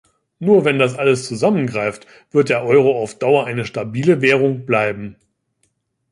Nur wenn das alles zusammen greift, wird der Euro auf Dauer eine stabile Währung bleiben.